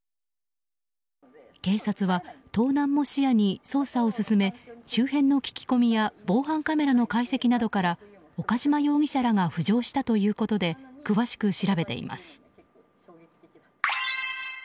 警察は盗難も視野に捜査を進め周辺の聞き込みや防犯カメラの解析などから岡島容疑者らが浮上したということで詳しく調べています。